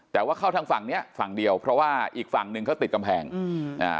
แต่ว่าเข้าทางฝั่งเนี้ยฝั่งเดียวเพราะว่าอีกฝั่งหนึ่งเขาติดกำแพงอืมอ่า